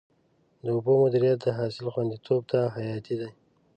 د اوبو مدیریت د حاصل خوندیتوب ته حیاتي دی.